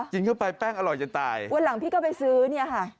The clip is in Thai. กินเข้าไปแป้งอร่อยจะตายวันหลังพี่ก็ไปซื้อเนี่ยค่ะ